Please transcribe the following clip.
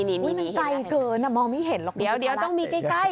อุ๊ยมันใกล้เกินมองไม่เห็นหรอก